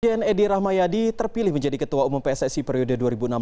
jan edi rahmayadi terpilih menjadi ketua umum pssi periode dua ribu enam belas dua ribu